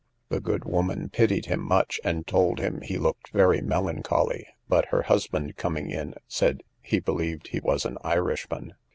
The good woman pitied him much, and told him he looked very melancholy; but her husband coming in, said, he believed he was an Irishman.